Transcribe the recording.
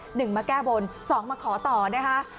หนึ่งมาแก้บนสองมาขอต่อนะคะ